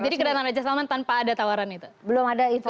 oh jadi keretangan raja salman tanpa ada tawaran itu